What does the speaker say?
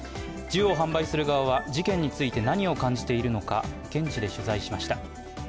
銃を販売する側は、事件について何を感じているのか、現地で取材しました。